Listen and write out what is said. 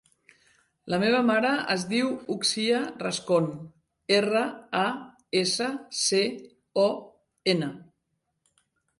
La meva mare es diu Uxia Rascon: erra, a, essa, ce, o, ena.